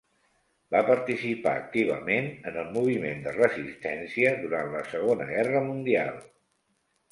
Va participar activament en el moviment de resistència durant la Segona Guerra Mundial.